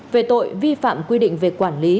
về tội vi phạm quy định về quản lý